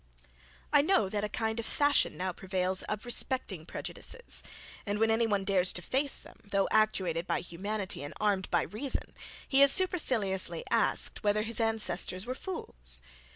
I know that a kind of fashion now prevails of respecting prejudices; and when any one dares to face them, though actuated by humanity and armed by reason, he is superciliously asked, whether his ancestors were fools.